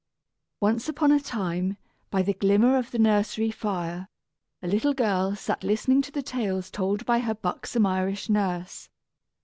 _ Once upon a time, by the glimmer of the nursery fire, a little girl sat listening to the tales told by her buxom Irish nurse.